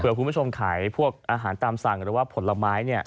เผื่อคุณผู้ชมขายพวกอาหารตามสั่งหรือว่าผลไม้